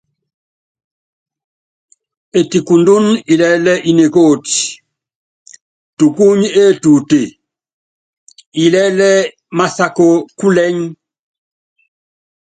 Etikundun ilɛ́lɛ́ i nikóti, tukuny etuute, ilɛ́lɛ́ i másak kúlɛ́ny.